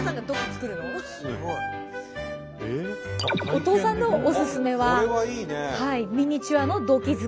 お父さんのおすすめはミニチュアの土器作りです。